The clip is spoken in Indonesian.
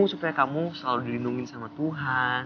supaya kamu selalu dilindungi sama tuhan